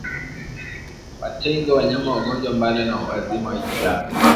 Watenge wanyama wagonjwa mbali na wazima kiafya